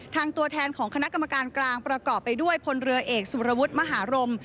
ตัวแทนของคณะกรรมการกลางประกอบไปด้วยพลเรือเอกสุรวุฒิมหารม